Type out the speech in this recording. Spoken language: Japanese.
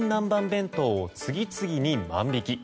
弁当を次々に万引き。